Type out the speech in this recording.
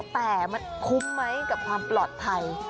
แต่มันคุ้มไหมกับความปลอดภัย